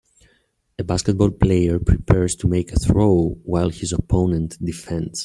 A basketball player prepares to make a throw while his opponent defends.